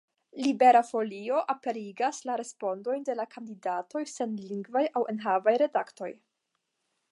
Libera Folio aperigas la respondojn de la kandidatoj sen lingvaj aŭ enhavaj redaktoj.